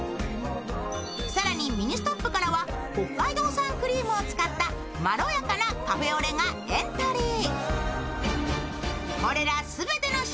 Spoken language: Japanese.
更にミニストップからは北海道産クリームを使ったまろやかなカフェオレがエントリー。